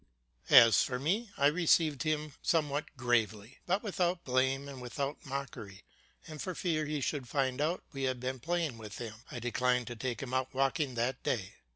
As for me, I received him somewhat gravely, but without blame and without mockery, and for fear he should find out we had been playing with him, I declined to take him out walking that day.